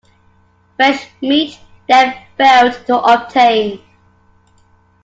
Fresh meat they failed to obtain.